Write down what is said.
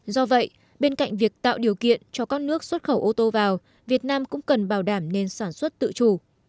do vậy bên cạnh việc tạo điều kiện cho các nước xuất khẩu ô tô vào việt nam cũng cần bảo đảm nền sản xuất tự chủ